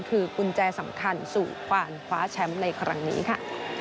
คือกุญแจสำคัญสู่ความคว้าแชมป์ในครั้งนี้ค่ะ